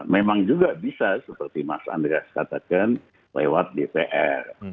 memang juga bisa seperti mas andreas katakan lewat dpr